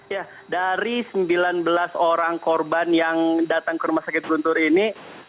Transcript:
ya dari sembilan belas orang korban yang datang ke rumah sakit guntur ini